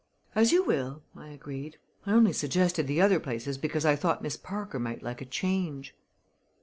"As you will," I agreed. "I only suggested the other places because I thought Miss Parker might like a change."